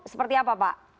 seperti apa pak